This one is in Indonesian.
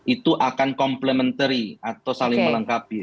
itu akan complementary atau saling melengkapi